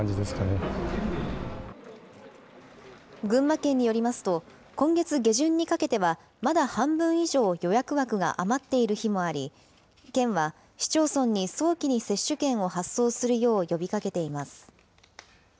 群馬県によりますと、今月下旬にかけてはまだ半分以上、予約枠が余っている日もあり、県は、市町村に早期に接種券を発送するよう呼びかけています。